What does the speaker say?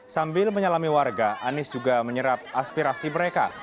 sambil menyalami warga anies juga menyerap aspirasi mereka